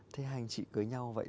thế hai anh chị cưới nhau vậy